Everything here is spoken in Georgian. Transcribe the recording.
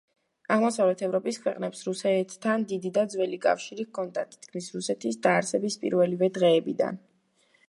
აღმოსავლეთ ევროპის ქვეყნებს რუსეთთან დიდი და ძველი კავშირი ჰქონდათ, თითქმის რუსეთის დაარსების პირველივე დღეებიდან.